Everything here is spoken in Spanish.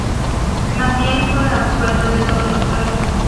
Maciel fue absuelto de todos los cargos.